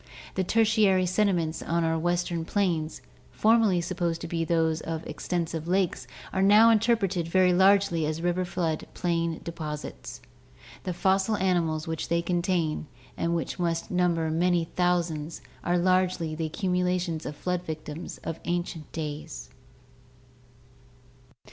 The Tertiary sediments on our western plains, formerly supposed to be those of extensive lakes, are now interpreted very largely as river flood plain deposits. The fossil animals which they contain, and which must number many thou sands, are largely the accumulations of flood victims of ancient days.